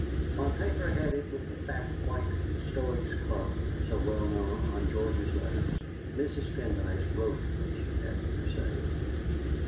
On paper headed with the fat white "Stoics' Club," so well known on George's letters, Mrs. Pendyce wrote what she had to say.